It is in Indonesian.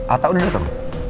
ata udah dateng